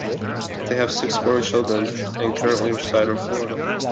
They have six grown children, and currently reside in Florida.